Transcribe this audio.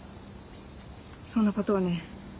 そんなことをね